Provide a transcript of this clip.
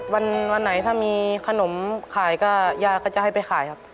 วันไหนถ้ามีขนมขายก็ย่าก็จะให้ไปขายครับ